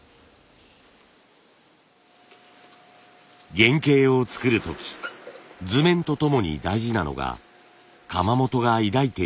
原型を作る時図面とともに大事なのが窯元が抱いているイメージです。